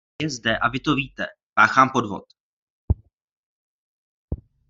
Je zde, a vy to víte, páchán podvod.